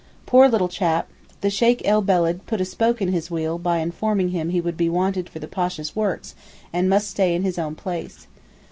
Poor little chap; the Sheykh el Beled 'put a spoke in his wheel' by informing him he would be wanted for the Pasha's works and must stay in his own place.